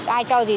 ai cho gì tôi